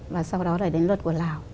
và sau đó là đến luật của lào